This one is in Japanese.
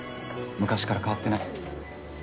昔から変わってない。